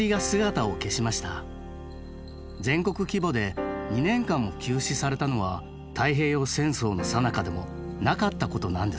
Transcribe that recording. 全国規模で２年間も休止されたのは太平洋戦争のさなかでもなかったことなんですって。